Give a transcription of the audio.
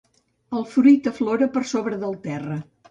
El fruit aflora per sobre del terra.